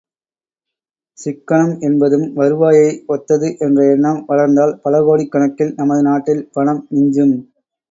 சிக்கனம் என்பதும் வருவாயை ஒத்தது என்ற எண்ணம் வளர்ந்தால் பலகோடிக் கணக்கில் நமது நாட்டில் பணம் மிஞ்சும்.